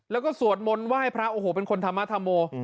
แล้วก็สวดมนต์ไหว้พระโอ้โหเป็นคนธรรมธรรโม